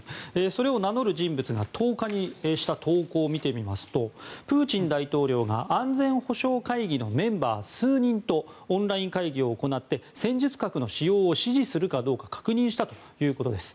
それを名乗る人物が１０日にした投稿を見るとプーチン大統領が安全保障会議のメンバー数人とオンライン会議を行って戦術核を使用をするか確認したということです。